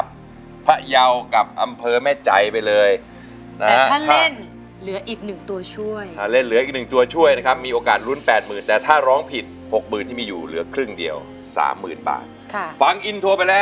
ฟังอินโทรไปแล้วนะครับ